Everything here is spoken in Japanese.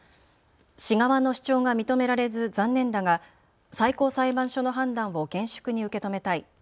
市側の主張が認められず残念だが最高裁判所の判断を厳粛に受け止めたい。